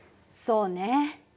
そうね。